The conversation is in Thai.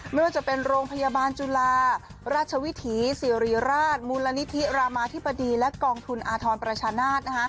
ไม่ว่าจะเป็นโรงพยาบาลจุฬาราชวิถีสิริราชมูลนิธิรามาธิบดีและกองทุนอาทรประชานาศ